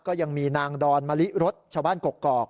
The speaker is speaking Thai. ก็ยังมีนางดอนมะลิรสชาวบ้านกกอก